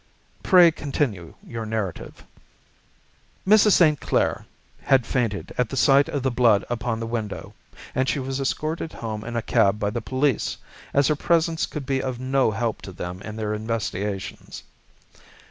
"Pray continue your narrative." "Mrs. St. Clair had fainted at the sight of the blood upon the window, and she was escorted home in a cab by the police, as her presence could be of no help to them in their investigations.